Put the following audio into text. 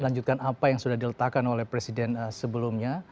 lanjutkan apa yang sudah diletakkan oleh presiden sebelumnya